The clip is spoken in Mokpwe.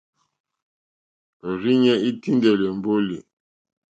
Òrzìɲɛ́ î tíndɛ̀lɛ̀ èmbólì.